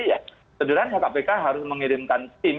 ya sederhananya kpk harus mengirimkan tim